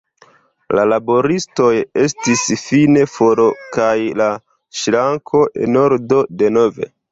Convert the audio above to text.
La laboristoj estis fine for kaj la ŝranko en ordo denove.